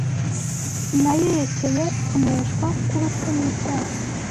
n’ayerekeye kuneshwa k’urupfu n’icyaha